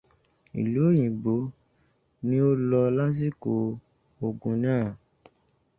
Ìlú òyìnbò ni mo lọ lásìkò ogún náà.